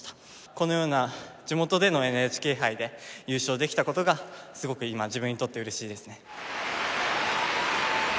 このような地元でのＮＨＫ杯で優勝できたことがすごく今自分にとってうれしいですね。